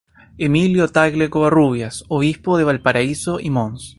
Emilio Tagle Covarrubias, Obispo de Valparaíso, y Mons.